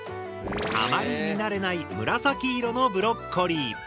あまり見慣れない紫色のブロッコリー。